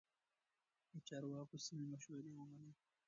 د چارواکو سمې مشورې ومنئ.